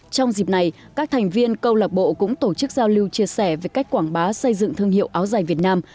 trong dịp này các thành viên công lộc bộ cũng tổ chức giao lưu chia sẻ về cách quảng bá xây dựng thương hiệu áo giải việt nam